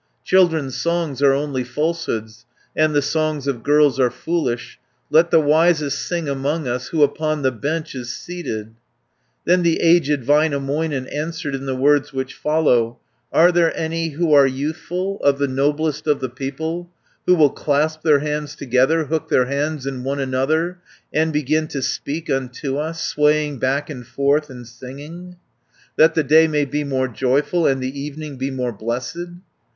310 Children's songs are only falsehoods, And the songs of girls are foolish. Let the wisest sing among us, Who upon the bench is seated." Then the aged Väinämöinen, Answered in the words which follow: "Are there any who are youthful, Of the noblest of the people, Who will clasp their hands together, Hook their hands in one another, 320 And begin to speak unto us, Swaying back and forth in singing, That the day may be more joyful, And the evening be more blessed?"